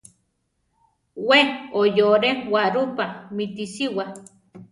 We oyore Guarupa mitisiwa.